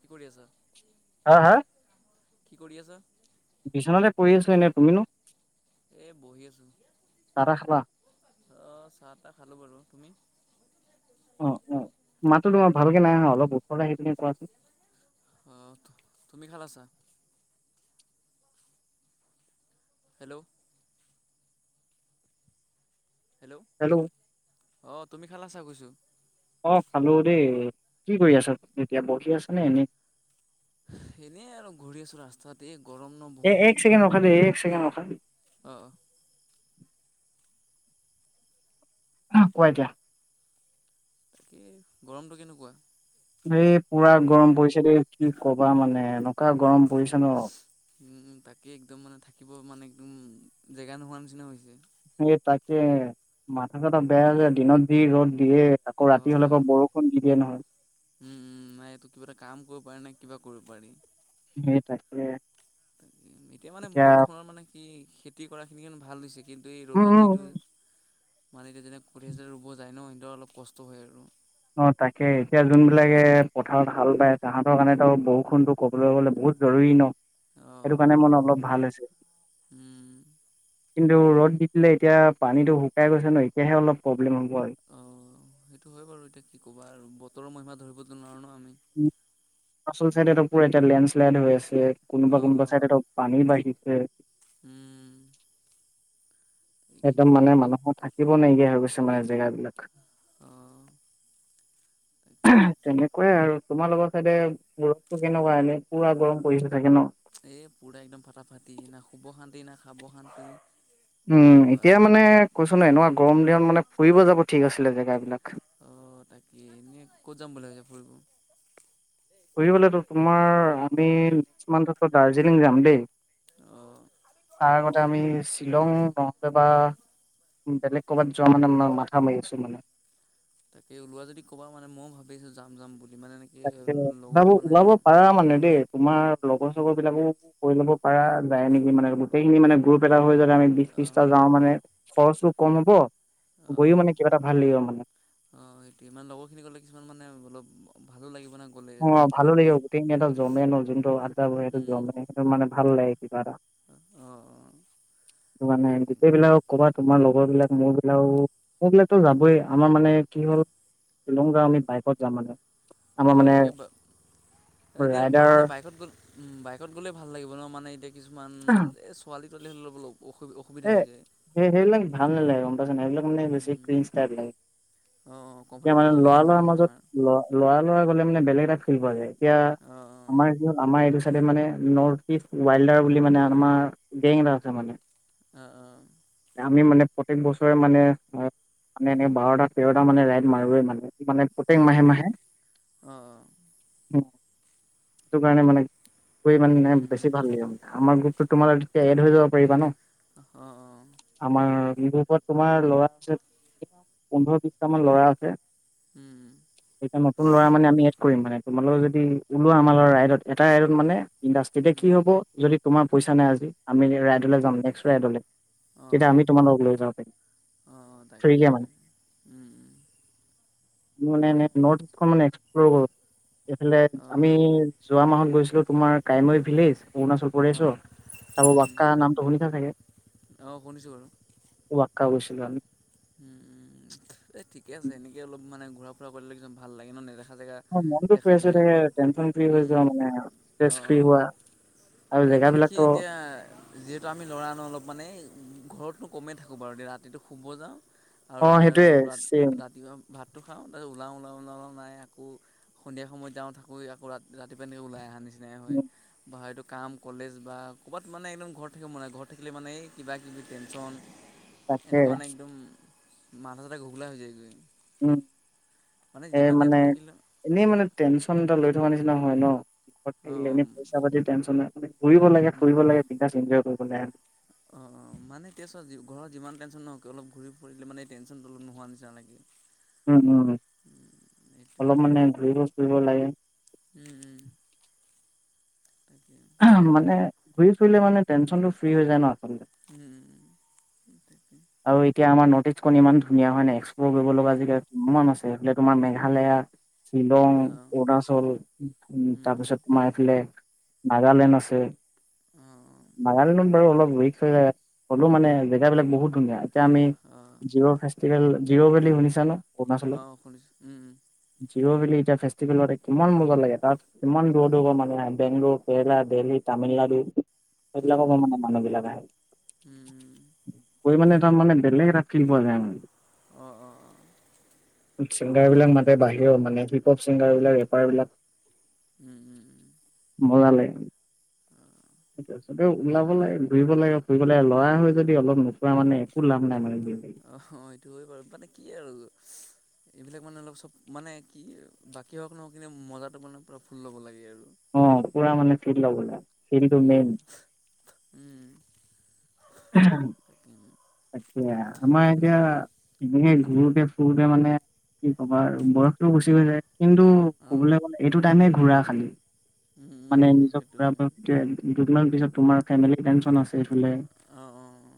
কি কৰি আছা হা হা কি কৰি আছা িচনতে কৰি আছো এনেই তুমিনো এ বহি আছো তাৰখালা অঁ চাহ তাহ খালোঁ বাৰু তুমি অ অ মাতো তোমাৰ ভালকে নাই আহা অলপ ওৰ আহি পিনে কোৱাচোন অঁ তুমি ভাল আছা হেল্ল' হেল্ল' অঁ তুমি খালাছা কৈছোঁ অ খালো দেই কি কৰি আছ এতিয়া বহি আছ নে এনেই এেনেই আৰু ঘূৰি আছোঁ ৰাস্তাত এই গৰম ন এ বহুত এক কেডখ দেই এক ছেকেড অখাদে অঁ অঁ অ কোৱা দিয়া তাকেই গৰমটো কেনেকুৱা এই পুৰা গৰম পৰিছে দেই কি কবা মানে এনেকুৱা গৰম পৰিছে ন তাকেই একদম মানে থাকিব মানে একদম জেগা নোহোৱাৰ নিচিনা হৈছে স তাকে মাথা চথা বেয়াায় দিনত দি ৰ'দ দিয়ে আক ৰাতি হলে অঁ আৌ বৰষুণ দি দিয়ে নহয় উম উম নাই এইটো কিবা এটা কাম কৰিব পাৰি নে কিবা কৰিব পাৰি সেইট এতিয়া মানে বৰষুণৰ মানে কি খেতি কৰা খিনি ভাল হৈছে কিন্তু এই উম ৰ'দত যিটো [unintelligible] মানেক যেনে কিছেতে ৰুব যায় ন সেই অলপ কষ্ট হয় আৰু অ তাকে এতিয়া যোনবিলাকে পথাৰত হাল বায় তাহাঁতৰ কাৰণে তো বৰষুণতো ক'বলৈ গ'লে বহুত জৰুৰী ন সেইটো অ' কাৰণে মন অলপ ভাল হৈছে উম কিন্তু ৰ'দ দি দিলে এতিয়া পানীতটো শুকাই গৈছে ন এতিয়াহে অলপ প্ৰব্লেম হ'ব আৰু অঁ সেইটো হয় বাৰু এতিয়া কি ক'বা আৰু বতৰৰ মহিমা ধৰিবলৈ নোৱাৰোঁ ন আমি আচল চাইডপ এতিয়া লেণ্ড শ্লাইড হৈ আছে কোনোবা কোনোবা অ' চাইডত পানী বাঢ়িছে। উম। এই কি একদম ক'বা মানে আৰু মানুহৰ থাকিব নাইকিয়া হৈ গৈছে মানে জেগাবলাক। অ' তাকে তেনেকুৱাই আৰু তোমালোকৰ ছাইডে ৰ'দটো কেনেকুৱা এনে পুৰা গৰম পৰিছে চাগে ন? এই পূৰা একদম ফাটাফাটি না শুব শান্তি না খাব শান্তি। কি উম, ক'বা এতিয়া আৰু মানে কৈছোঁ ন এনেকুৱা গৰম দিনত মানে ফুৰিব যাব ঠিক আছিলে জেগাবিলাক। অ', তাকে এনেই ক'ত যাম বুলি ভাবিছ ফুৰিব? ফুৰিবলৈতো তোমাৰ আমি নেক্স মান্থৰ পৰা দাৰ্জিলিং যাম দেই। অ'। তাৰ আগতে আমি শ্বিলং নহ'লে বা বেলেগ ক'বাত যোৱা মানে ম-মাথা মাৰি আছোঁ মানে। তাকে ওলোৱা যদি ক'বা মানে ময়ো ভাবিছোঁ যাম যাম বুলি মানে এ তাকে ওলাব ওলাব পাৰা মানে দেই তোমাৰ লগৰ চগৰ বিলাকো কৈ ল'ব পৰা যায় নেকি মানে গোটেইখিনি মানে গ্ৰুপ এটা হৈ যায় আমি বিশ অ' ত্ৰিশটা যাওঁ মানে খৰচো কম হব গৈও অ' মানে কিবা এটা ভাল লাগিব মানে অ', সেইটোৱেই আমাৰ লগৰ খিনি গ'লে কিছুমান মানে অলপ ভালো লাগিব ন। অ', ভালো লাগিব গোটেইখিনি একদম জমে ন যোনটো আদ্দা বহে সেইটো উম জমে সেইটো মানে ভালো লাগে কিবা এটা অ অ মানে তাকে ক'বাত তোমাৰ লগৰ বিলাক মোৰ বিলাকও মোৰ বিলাকতো যাবই, আমাৰ মানে কি হ'ল শ্বিলং যাম, আমি বাইকত যাম মানে আমাৰ মানে বা-এতিয়া ৰাইডাৰ মানে বাইকত গ'লে বাইকত গ'লে ভাল লাগিব ন মানে এতিয়া কিছুমান এই ছোৱালী তোৱালী হ'লে অলপ অসু- অসুবিধা হৈ যায়। সেই-সেইবিলাক ভাল নালাগে গম পাইছ নে নাই সেইবিলাক মানে বেছি ক্ৰিন্জ টাইপ লাগে। অ', ক এতিয়া মানে ল'ৰা-ল'ৰা মাজত ল'ৰা-ল'ৰা গ'লে মানে বেলেগ এটা ফিল পোৱা যায় এতিয়া অঁ আমাৰ [unintelligible] আমাৰ এইটো চাইডে মানে নৰ্থ ইষ্ট ৱাইল্ডাৰ বুলি মানে আমাৰ গেং এটা আছে মানে। অ', অ'। আমি মানে প্ৰত্যেক বছৰে মানে মানে এনে বাৰটা তেৰটা মানে ৰাইড মাৰোৱে মানে। মানে প্ৰতেক মাহে মাহে অঁ অঁ অঁ অঁ অঁ সেইটো কাৰণে মানে কৰি মানে বেছি ভাল লাগিব, আমাৰ গ্ৰুপটো তোমাৰ তেতিয়া এড হৈ যাব পাৰিবা ন। অ', অ'। আমাৰ বি গ্ৰোপত তোমাৰ ল'ৰা আছে, পোন্ধৰ বিশটামান ল'ৰা আছে। এতিয়া নতুন ল'ৰা মানে আমি এড কৰিম মানে তোমালোকে যদি ওলোৱা আমাৰ লগত ৰাইডত। এটা ৰাইডত মানে ইণ্ডাষ্ট্ৰিতে কি হ'ব যদি তোমাৰ পইচা নাই আজি, আমি ৰাইডলৈ যাম নেক্স। ৰাইডলে, তেতিয়া আমি তোমালোকক লৈ যাব পাৰিম। অ', অ' তাকে মানে উম, উম। মোৰ [unintelligible] নৰ্থ‌ইষ্ট মানে এক্সপ্লৰ কৰ এইফালে আমি অঁ যোৱা মাহত গৈছিলোঁ তোমাৰ কাইমৈ ভিলেজ অৰুণাচল প্ৰদেশৰ অঁ তাৰপা বাক্কাৰা নামটো শুনিছা চাগে? অ', শুনিছোঁ বাৰু ৱাক্কা গৈছিলোঁ আমি। উম, উম এ ঠিকে আছে এনেকে অলপ মানে ঘুৰা ফুৰা কৰিলে [unintelligible] ভাল লাগে ন [unintelligible] নেদেখা জেগা মনটো দেখা ফ্ৰেছ হৈ যায়, থাকে টেনচন ফ্ৰী হৈ যোৱা উম', মানে ষ্ট্ৰেছ ফ্ৰী অ'। হোৱা আৰু এ মানে কি জেগাবিলাকতো এতিয়া। যিহেতু আমি ল'ৰা ন, অলপ মানে ঘৰতনো কমেই থাকোঁ বাৰু ৰাতিটো শুব যাওঁ। অ আৰু সেইটোৱে অলপ চেম ৰাতিপুৱা ভাতটো খাওঁ, ওলাওঁ ওলাওঁ, ওলাওঁ, ওলাওঁ মাই আকৌ সন্ধিয়া সময়ত যাওঁ থাকোঁ, আকৌ ৰা-ৰাতিপুৱা এনেকে ওলাই অহা নিচিনাই হয় উম বাহিৰতো কাম কলেজ বা ক'ৰবাত মানে একদম ঘৰত থাকিব মন নাই ঘৰত থাকিলে মানে এই কিবাাকিবি টেনশন। তাকে এনেকে মানে একদম মাথা চতে ঘোঘলা হৈ যায়গৈ। উম, এই যিমান মানে টেনচন থাকিলেও এনেই মানে টেনশচন এটা লৈ থকা নিচিনা হয় ন, থাক অঁ এনে পইচা অঁ পাতি টেনশচনে ফুৰিব লাগে ফুৰিব লাগে বিন্দাছ এনজয় কৰিব লাগে। অ', অ', মানো [unintelligible] ঘৰত যিমান টেন নহওক অলপ ঘূৰি ফুৰিলে মানে টেনচন নোহোৱা নিচিনা লাগে। উম, উম সেইটোৱে অলপ মানে ঘূৰিব ফুৰিব লাগে। উম, উম তাকে মানে ঘূৰি ফুৰিলে মানে টেনচন টো ফ্ৰী হৈ যায় ন। উম, উম সেইটোৱে। আৰু এতিয়া আমাৰ নৰ্থ ইষ্ট ক ইমান ধুনীয়া হয় নে এক্সপ্ল'ৰ কৰিব লগা উম আজিকালি অমান আছে এইফলে তোমাৰ মেঘালয়া, শ্বিলং, অ অৰুণাচল উম তাৰপিছত মাএফালে নাগালেণ্ড আছে। উম, উম। নাগালেণ্ডত বাৰু অলপ ৰিক্স হৈ যাই হ'লেও মানে জেগাবিলাক বহুত ধুনীয়া এতিয়া আমি অ জিঅ' ফেষ্টিভেল জিঅ' ভেলি শুনিছানে অ', শুনিছোঁ উম, উম জিঅ' বুলি এতিয়া ফেষ্টিভেলতে কিমান মজা লাগে তাত কিমান দূৰ দূৰ পৰা মানুহ আহে বেংলোৰ কেৰেলা দেলহী তামিলনাডু সেইবিলাকৰ উম অ পৰা মানে মানুহ বিলাক উম আহে গৈ মানে তাত মানে বেলেগ এটা ফিল পোৱা যায়। অ', অ'। [inaudible] ছিংগাৰ তাকে বিলাক মাতে বাহিৰৰ মানে হিপ হপ চিংগাৰ বিলাক ৰেপাৰ বিলাক উম, উম, উম। মজা লাগে। ঠিক আছে। এ ওলাব লাগে ঘুৰিব লাগে ফুৰিব লাগে ল'ৰা হৈ যদি অলপ নুফুৰা মানে একো লাভ নাই মানে। অ', সেইটো হয় বাৰু মানে কি আৰু এইবিলাক মানে অলপ চব মানে কি বাকী হওক নহয় কিনে মজাটো মানে পূৰা ফুল ল'ব লাগে আৰু অ', পুৰা মানে ফিল লব লাগে ফিলটো উম মেইন উম। হ [unintelligible] তাকে তাকে আমাৰ এতিয়া এনে ঘূৰোতে ফুৰোতে মানে কি কবা আৰু বয়সটোও গুচি হৈ যায় কিন্তু অ কবলৈ গ'লে এইটো টাইমে ঘুৰা খালি মানে নিজক সেইটো ঘূৰা হয় বয়স টো দুদিনমান পিছত তোমাৰ ফেমিলি টেনশন আছে এই ফালে অ', অ'।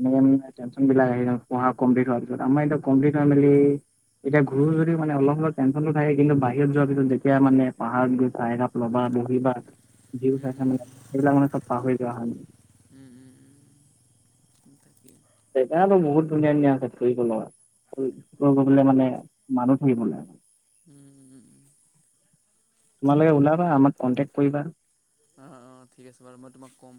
এনেকুৱা ধৰনৰ টেনশ্যন বিলাক আহে পঢ়া কমপ্লিট হোৱাৰ পিছত আমাৰ এতিয়া কমপ্লিট হৈ মেলি এতিয়া ঘূৰো যদিও মানে অলপ, অলপ টেনশচনটো থাকে কিন্তু বাহিৰত যোৱাৰ পিছত যেতিয়া মানে পাহাৰত গৈ চাহ একাপ লবা বহিবা ভিউ চাই, চাই মানে সেইবিলাক মানে সব পাহৰি যোৱা হয় মানে উম, উম, উম তাকে জেগাটো বহুত ধুনীয়া, ধুনীয়া আছে ফুৰিব লগা ঘূৰি ব গলে মানে মানুহ থাকিব লাগে। উম, উম, উম তোমালোকে ওলাবা আমাক কণ্টেক্ট কৰিবা। অ', অ', ঠিক আছে বাৰু মই তোমাক ক'ম।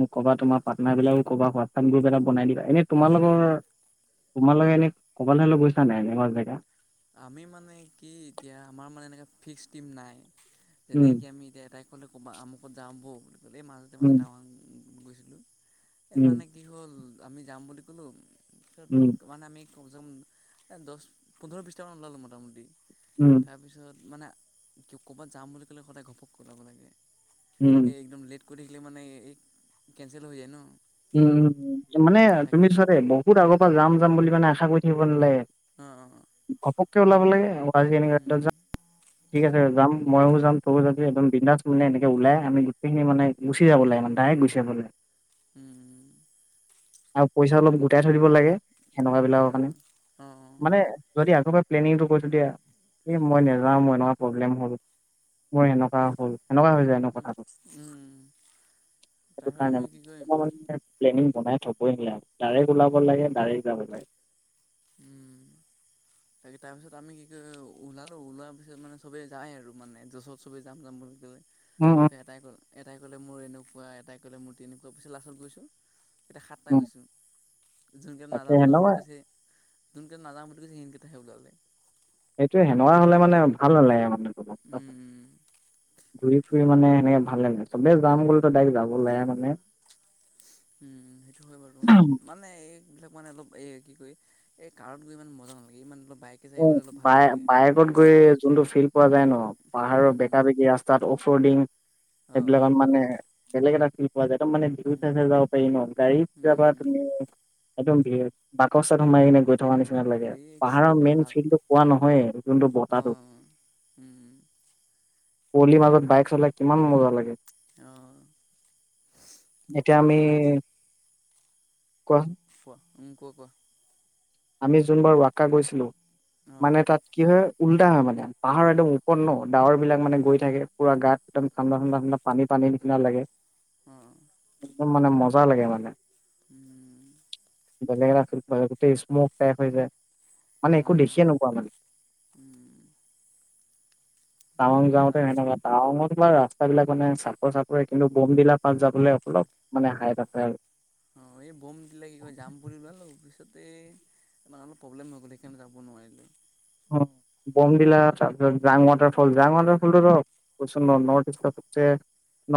মোক ক'বা তোমাৰ পাৰ্টনাৰ বিলাককো ক'বা হোৱাটছআপ গ্ৰুপ এটা বনাই দিবা এনে তোমালোকৰ তোমালোকে এনে কৰবালে হলে গৈছা নাই এনেকুৱা জেগা আমি মানে কি এতিয়া আমাৰ মানে এনেকুৱা ফিক্স টিম নাই যেনে উম, কি আমি এতিয়া এটা অক'লে ক'ৰবা আমুকত যামওঁ ব বুলি ক'লে এই মাজতে উম, মানে তাৱাং গৈছিলোঁ এই উম, মানে কি হ'ল আমি যাম বুলি ক'লো ত উম, মানে আমি কমচে কম এই দহ পোন্ধৰ বিছটামান ওলালো মোটামুটি ওম তাৰপিছত মানে ক'ৰবাত যাম বুলি ক'লে সদায় ঘপক কে ওলাব লাগে উম, এই একদম লেট কৰি থাকিলে মানে এই কেঞ্চেল হৈ যায় ন উম উম মানে তাক তুমি চোৱা দেই বহুত আগৰ পৰা যাম যাম বুলি মানে আশা কৰি থাকিব নালাগে। অ', অ' ঘপককে ওলাব লাগে আজি এনেকে উম যাম ঠিক আছে যাম ময়ও যাম তয়ো য একদম বিন্দাছ মানে এনেকে ওলাই আমি গোটেইখিনি মানে গুচি যাব লাগে মানে ডাইৰেক্ট গুচি যাব লাগে। উম আৰু পইচা অলপ গোটাই থৈ দিব লাগে সেনেকুৱা বিলাকৰ কাৰণে অঁ অঁ মানে যদি আগৰ পৰাই প্লেনিংটো কৰিছোঁ তেতিয়া এই মই নাযাওঁ মই এনেকুৱা প্ৰব্লেম হ'ল। মোৰ সেনেকুৱা হ'ল সেনেকুৱা হৈ যায়নো উম কথাটো উম তাৰপিছত আমি কি কৰিম দান প্লেনিং বনাই থ'বই নিয়ি আৰু ডাইৰেক্ট ওলাব উম লাগে ডাইৰেক্ট যাব লাগে উম তাকে তাৰ পিছত আমি কি ক ওলালো ওলোৱা পিছত মানে চবে যায় আৰু মানেছত চবেই জাম জাম বুলি উম উম এটাই ক এটাই ক'লে মোৰ এনেকুৱা এাই ক'লে মোৰ তেনেকুৱা পইছে লাষ্টত গৈছোঁ এতিয়া সাতটা উম গৈছোঁ যোনকেই তাকে নাজাওঁ নযাওঁ বুলি সেনেকুৱা কৈছে যোনকেইটা নাযাওঁতে যে সেইকেইটাে ওলালে এইেইটো হেনো হলে মানে ভাল নালাগে মানে তোমাৰ উম উম ঘূৰি ফুৰি মানে সেনেকে ভাল লাগে চবে যাম গ'লেতোাইক যাব লে মানে উম সেইটো হয় বাৰু মানে এইবিলাক মানে অলপ এই কি কৰি এই কাৰত গৈ ইমান মজা নালাগে ইমান অলপ বাইক অ', বায় বায়েকত গৈ যোনটো ফিল্ড পোৱা যায় ন পাহাৰৰ উম, বেকা উম, বেকী ৰাস্তাত অফ ৰোডিং অ', এইবিলাকত অ', মানে বেলেগ এটা ফিল পোৱা যায় একদম মানে বি উম, চাই যাব পাৰি ন গাড়ীতাবা তুমি উম, একদম ভিৰ বাকস্থাত সোমাই কিনে গৈ থকা নিচিননা লাগে এই কি পাহাৰৰ ক'ব আৰু মেইন ভাল কোৱা নহয় যোনটো বতাহটো অ', উম, পলিৰ মাজত তাকে বাইক চলাই কিমান মজা লাগে অ', এতিয়া আমি বাকী যি কোৱা কোৱা উম কোৱা কোৱা আমি যোনবাৰ ৱাকা গৈছিলো অ', মানে তাত কি হয় উল্টা হয় মানে পাহাৰ একদম উপন্ন ডাৱৰ বিলাক মানে গৈ থাকে পোৰা গাত একদম ঠাণ্ডা ঠাণ্ডা ঠাণ্ডা পানী নিচিনা লাগে অ' একদম মানে মজা লাগে মানে উম বেলেগ এটা গোতেটেই স্মক টাইপ হৈ যায় মানে একো অ', দেখিয়ে নোপোৱা মানে উম টাৱাং যাওঁতে কিবা সেনে টাউনত বা ৰাস্তা বিলাক মানে চাপৰ চাপোৰে কিন্তু বোমডিলা পাছ যাবলৈ অলপ মানে হাইত আছে আৰু অ', এই বম দিলে কি কয় জাম পৰিলোৱা পিছতে ইমান অপ প্ৰবলেম হৈ গ'ল সেইণে যাব নোৱাৰিলোঁ অ, বমডিলা তাৰপিছত জাং ৱাটাৰফল, জাং ৱাটাৰফলটো ধৰক কচোন [unintelligible] যে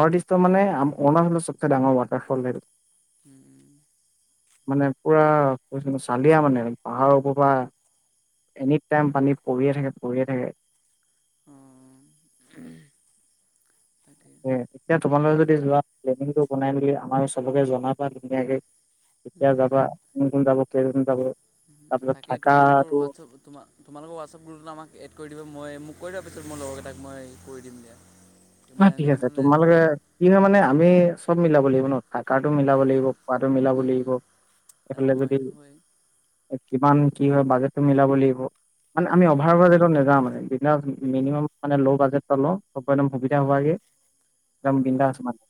নৰ্থ ইষ্টৰ মানে উম, অৰুণাচলৰ চবচে ডাঙৰ ৱাটাৰফল সেইটো। উম। মানে পুৰা কৈছো না চালিয়া মানে পাহাৰৰ ওপৰৰ পৰা এনে টাইম পানী পৰিয়ে থাকে পৰিয়ে থাকে। অঁ এতিয়া তোমালোকে যদি যোৱা প্লেনিংটো বনাই বুলি আমাৰ চবকে জনাবা ধুনীয়াকে। কেতিয়া উম, যাবা, কোন-কোন যাব, কেইজন যাব, তাৰপিছত থাকটো ত তোমা তোমালোকৰ হোৱাটছআপ গ্ৰুপটোত আমাক এড কৰি দিবা, মই মোক কৰি দিবা পিছত মই লগৰকেইটাক মই কৰি দিম দিয়া। মানে ঠিক এনেকৈ আছে মানে তোমালোকে কি মানে আমি চব মিলাব লাগিব ন। থকাটো মিলাব উম, লাগিব, খোৱাটো মিলাব উম, লাগিব, উম, এইফালে অঁ যদি সেইটো হয় কিমান উম, কি হয় বাজেটটো মিলাব লাগিব, মানে আমি উম, অভাৰ বাজেটত নাযাওঁ মানে। মিনিমাম মানে ল' বাজেট পালো [unintelligible] উম, একদম অঁ বিন্দাছ মানে।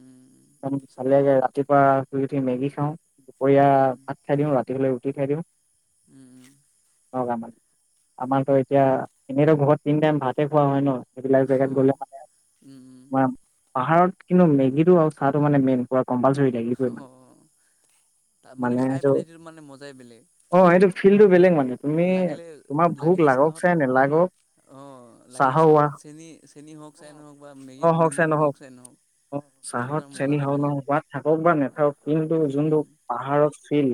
উম, চালেগে ৰাতিপুৱা শুই উঠি মেগি খাওঁ দুপৰীয়া উম, ভাত খাই দিওঁ, ৰাতি হলেই ৰুটি খাই দিওঁ। উম। আমাৰতো এতিয়া এনেইতো ঘৰত তিন টাইম ভাতে খোৱা হয় ন। সিবিলাক অঁ জগাত অঁ, গলে মানে উম, উম। তোমাৰ পাহাৰত কিন্তু মেগীটো আৰু চাহটো মানে মেইন পুৰা কম্পালচৰি। লাগিবই অ, মানে তাৰ মানে খাই পেলাই মানে মজাই বেলেগ। অ, এইটো ফিলটো বেলেগ মানে, তুমি, লাগিলে তোমাৰ ভোক লাগিলে লাগক চাহত চাই নেলাগক অঁ লাগিলে চাহৰ ৱা চাহত চেনি চেনি হওক চাই নহওক বা মেগীত নিমখ হওক চাই নহওক অ কিন্তু চাহত তাৰ চেনি মজাটো হওক বেলেগ। নহওক বা থাকক বা নাথাকক কিন্তু যোনটো পাহাৰত ফিল।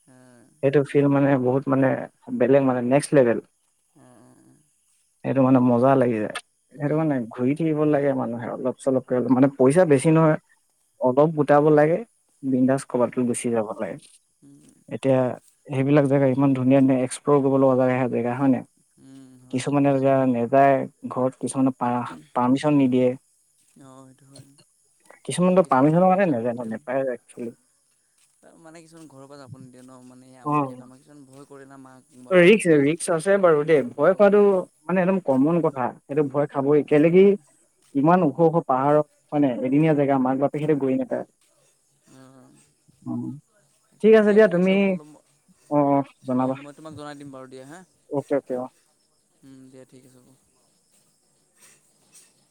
হা। সেইটো ফিল মানে বহুত মানে বেলেগ মানে নেক্সট লেভেল। [inaudible] সেইটো মানে মজা লাগি যায়, সেইটো মানে ঘূৰি ফুৰিব লাগে মানুহে অলপ-চলপ কে মানে পইচা বেছি মানে নহয় অলপ গোটাব লাগে বিন্দাছ কৰবাত লৈ গুচি যাব লাগে উম এতিয়া সেইবিলাক জেগা ইমান ধুনীয়া-ধুনীয়া, এক্সপ্লৰ কৰিব লগা জগা সেয়া হয় নে? উম হয় বাৰু কিছুমানে নাযায় ঘৰত কিছুমানে পা পাৰ্মিচন নিদিয়ে। অ, সেইটো হয়, কিছুমানতো কিছুমানৰ আৰু পাৰ্মিশনৰ কাৰণে পইচাৰ নাযায় ন প্ৰব্লেম। নেপায় একচুৱেলি তাৰ মানে কিছুমান ঘৰৰ পৰা যাব নিদিয়ে ন মানে আমুকে-তামুকে কিছুমান ভয় কৰে না মাক বা ৰিস্ক, বাপেকে ৰিস্ক আছে বাৰু দেই ভয় উম খোৱাটো মানে একদম কমন কথা। সেইটো ভয় খাবই কেলে কি ইমান ওখ-ওখ পাহাৰত, হয় নে? এদিনীয়া জেগা মাক বাপেকহঁতে গৈ নাপায়। অঁ। দিয়া ঠিক আছে [unintelligible] অ অ অঁ মই তোমাক জনাই দিম বাৰু দিয়া হা। অকে-অকে অ। উম, দিয়া ঠিক আছে বাৰু।